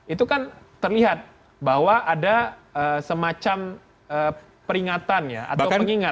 itu kan terlihat bahwa ada semacam peringatan ya atau pengingat